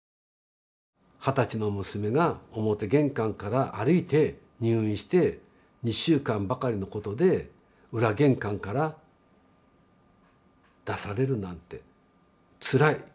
二十歳の娘が表玄関から歩いて入院して２週間ばかりのことで裏玄関から出されるなんてつらい。